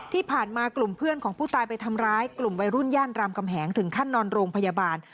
ที่ผ่านมากลุ่มเพื่อนของผู้ตายไปทำร้ายกลุ่มวัยรุ่นย่านรามกำแหงถึงขั้นนอนโรงพยาบาล